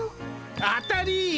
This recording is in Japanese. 当たり！